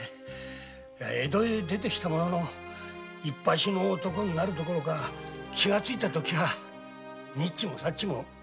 江戸へ出て来たもののいっぱしの男になるどころか気がついたときはにっちもさっちもいかなくなり。